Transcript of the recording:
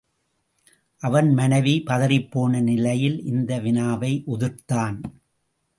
அவன் மனைவி பதறிப்போன நிலையில் இந்த வினாவை உதிர்த்தான்.